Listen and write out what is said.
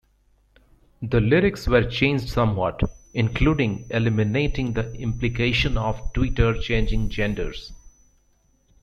The lyrics were changed somewhat, including eliminating the implication of Tweeter changing genders.